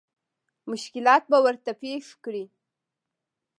مشکلات به ورته پېښ کړي.